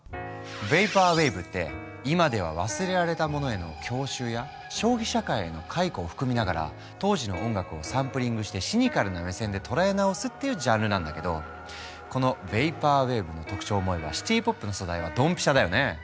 ヴェイパーウェーブって今では忘れられたものへの郷愁や消費社会への回顧を含みながら当時の音楽をサンプリングしてシニカルな目線で捉え直すっていうジャンルなんだけどこのヴェイパーウェーブの特徴を思えばシティ・ポップの素材はドンピシャだよね。